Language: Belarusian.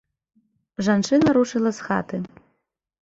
Жанчына рушыла з хаты.